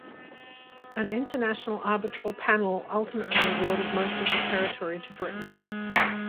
An international arbitral panel ultimately awarded most of the territory to Britain.